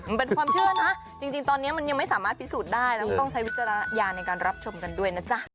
มันเป็นความเชื่อนะจริงตอนนี้มันยังไม่สามารถพิสูจน์ได้แล้วก็ต้องใช้วิจารณญาณในการรับชมกันด้วยนะจ๊ะ